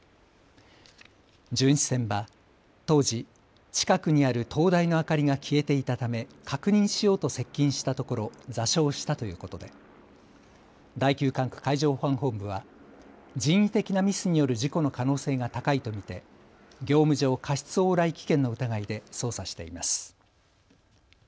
巡視船は当時、近くにある灯台の明かりが消えていたため確認しようと接近したところ座礁したということで第９管区海上保安本部は人為的なミスによる事故の可能性が高いと見て業務上過失往来危険の疑いで捜査しています。